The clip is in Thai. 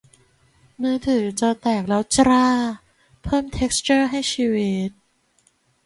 มือถือจอแตกแล้วจร้า เพิ่มเท็กซ์เจอร์ให้ชีวิต